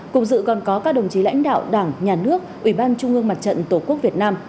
cùng dự còn có các đồng chí lãnh đạo đảng nhà nước ủy ban trung ương mặt trận tổ quốc việt nam